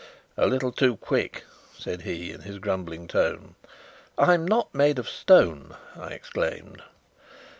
"A little too quick," said he, in his grumbling tone. "I'm not made of stone!" I exclaimed.